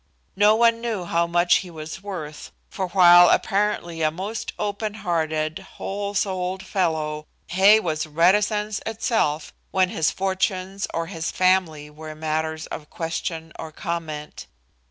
No one knew how much he was worth, for while apparently a most open hearted, whole souled fellow, Hay was reticence itself when his fortunes or his family were matters of question or comment.